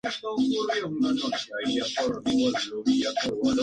La garganta, el cuello y el pecho son blancos.